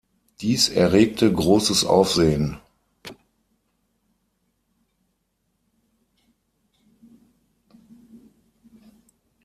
Dies erregte großes Aufsehen.